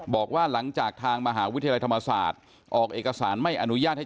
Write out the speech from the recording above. บอกว่าหลังจากทางมหาวิทยาลัยธรรมศาสตร์ออกเอกสารไม่อนุญาตให้